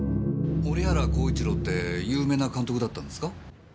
織原晃一郎って有名な監督だったんですか？